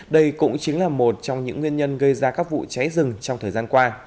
đây cũng chính là một trong những nguyên nhân gây ra các vụ cháy rừng trong thời gian qua